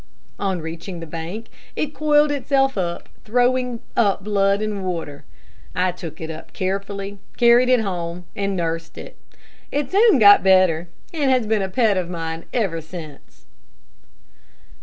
On reaching the bank it coiled itself up, throwing up blood and water. I took it up carefully, carried it home, and nursed it. It soon got better, and has been a pet of mine ever since."